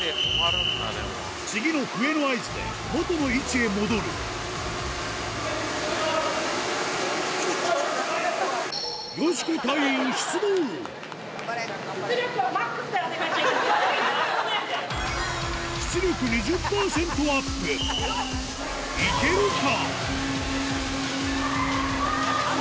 次の笛の合図で元の位置へ戻るいけるか？